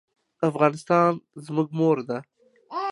افغانستان زموږ مور ده